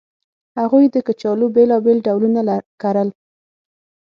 هغوی د کچالو بېلابېل ډولونه کرل